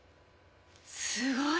すごい！